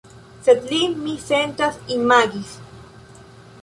Sed li, mi sentas, imagis.